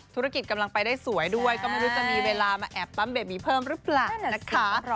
กำลังไปได้สวยด้วยก็ไม่รู้จะมีเวลามาแอบปั๊มเบบีเพิ่มหรือเปล่านะคะ